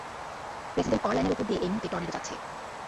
President অরল্যানের উপর দিয়ে এই মুহূর্তে টর্নেডো যাচ্ছে!